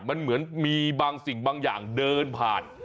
มันเหมือนมีบางสิ่งบางอย่างเดินผ่าน